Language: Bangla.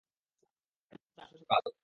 স্যার, শুভ সকাল।